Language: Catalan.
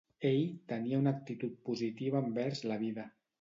Ell tenia una actitud positiva envers la vida.